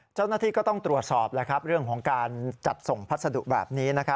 เจ้าหน้าที่ก็ต้องตรวจสอบเรื่องของการจัดส่งพัสดุแบบนี้